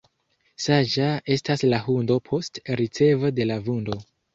Saĝa estas la hundo post ricevo de la vundo.